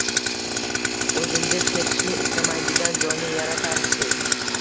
O’zingiz ketishni istamaydigan joyni yaratarsiz